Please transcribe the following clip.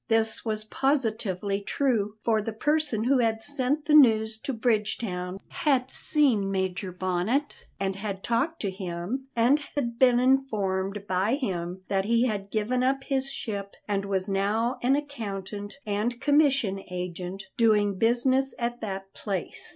This was positively true, for the person who had sent the news to Bridgetown had seen Major Bonnet and had talked to him, and had been informed by him that he had given up his ship and was now an accountant and commission agent doing business at that place.